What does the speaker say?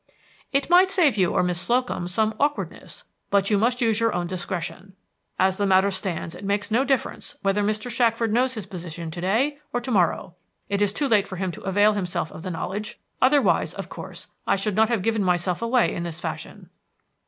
"It might save you or Miss Slocum some awkwardness, but you must use your own discretion. As the matter stands it makes no difference whether Mr. Shackford knows his position to day or to morrow. It is too late for him to avail himself of the knowledge. Otherwise, of course, I should not have given myself away in this fashion."